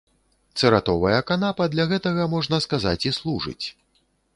Цыратовая канапа для гэтага, можна сказаць, і служыць.